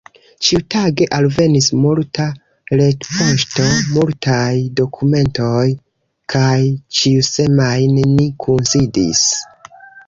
Ĉiutage alvenis multa retpoŝto, multaj dokumentoj, kaj ĉiusemajne ni kunsidis.